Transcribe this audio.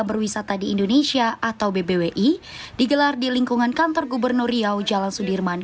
berwisata di indonesia atau bbwi digelar di lingkungan kantor gubernur riau jalan sudirman